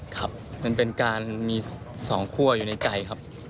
ครับมันเป็นการมี๒คั่วอยู่ในใจครับ